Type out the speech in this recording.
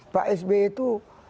pak sb itu